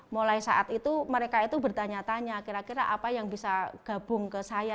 mulai saat itu mereka itu bertanya tanya kira kira apa yang bisa gabung ke saya